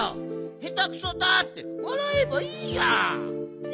「へたくそだ」ってわらえばいいじゃん。